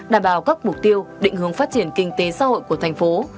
đảm bảo các mục tiêu định hướng phát triển kinh tế xã hội của tp